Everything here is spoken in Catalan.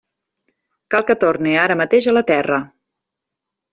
Cal que torne ara mateix a la Terra.